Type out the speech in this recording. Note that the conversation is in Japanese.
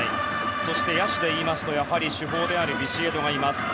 そして野手でいうと主砲であるビシエドがいます。